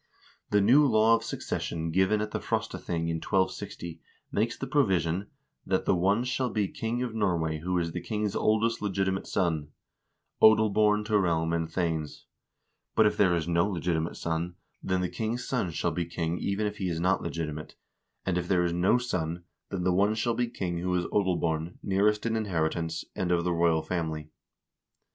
The new law of succession given at the Frostathing in 1260 makes the pro vision that " the one shall be king of Norway who is the king's oldest legitimate son, odel born to realm and thanes; but if there is no legitimate son, then the king's son shall be king even if he is not legitimate, and if there is no son, then the one shall be king who is odel born, nearest in inheritance, and of the royal family."